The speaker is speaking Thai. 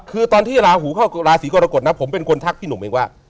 คือตอนที่ราหูเข้าราศีกรกฎนะผมเป็นคนทักพี่หนุ่มเองว่า